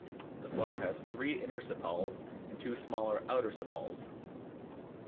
The flower has three inner sepals and two smaller outer sepals.